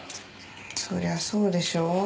そりゃそうでしょ。